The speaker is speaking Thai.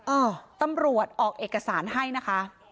เออตำรวจออกเอกสารให้นะคะ